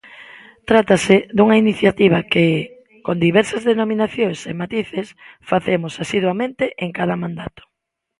Trátase dunha iniciativa que, con diversas denominacións e matices, facemos asiduamente en cada mandato.